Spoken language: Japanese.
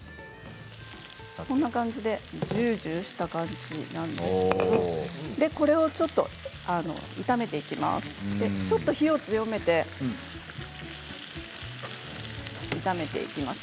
こんな感じでジュージューした感じなんですけどこれをちょっと炒めていきます。